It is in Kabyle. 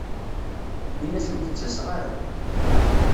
In-as ur d-ttaseɣ ara.